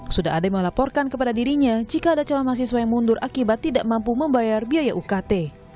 sudah ada yang melaporkan kepada dirinya jika ada calon mahasiswa yang mundur akibat tidak mampu membayar biaya ukt